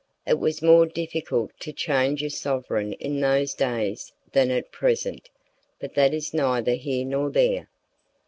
It was more difficult to change a sovereign in those days than at present, but that is neither here nor there.